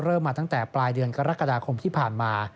มาตั้งแต่ปลายเดือนกรกฎาคมที่ผ่านมา